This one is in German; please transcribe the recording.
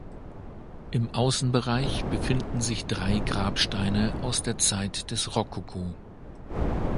Im Außenbereich befinden sich drei Grabsteine aus der Zeit des Rokoko.